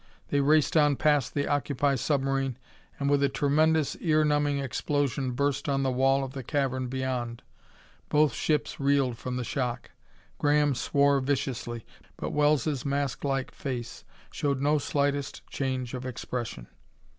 They raced on past the octopi submarine and, with a tremendous, ear numbing explosion, burst on the wall of the cavern beyond. Both ships reeled from the shock. Graham swore viciously, but Wells' masklike face showed no slightest change of expression....